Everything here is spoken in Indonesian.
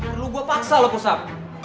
terus gue paksa lo push up